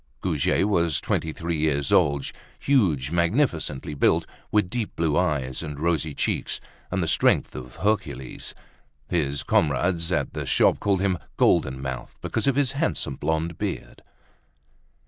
Goujet was twenty three years old, huge, magnificently built, with deep blue eyes and rosy cheeks, and the strength of Hercules. His comrades at the shop called him "Golden Mouth" because of his handsome blonde beard.